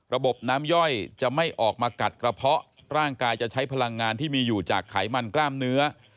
ระบบน้ำย่อยจะไม่ออกมากัดกระเพาะร่างกายจะใช้พลังงานที่มีอยู่จากไขมันกล้ามเนื้อ